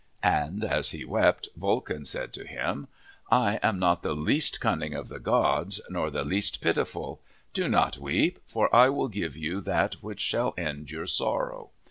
And as he wept, Vulcan said to him, 'I am not the least cunning of the gods, nor the least pitiful. Do not weep, for I will give you that which shall end your sorrow.